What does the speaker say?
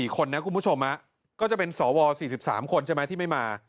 ๔คนนะคุณผู้ชมก็จะเป็นสว๔๓คนใช่ไหมที่ไม่มา